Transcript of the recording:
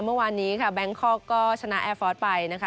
เมื่อวานนี้ค่ะแบงคอกก็ชนะแอร์ฟอร์สไปนะคะ